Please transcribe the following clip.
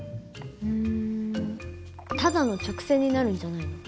うんただの直線になるんじゃないの？